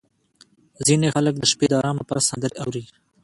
• ځینې خلک د شپې د ارام لپاره سندرې اوري.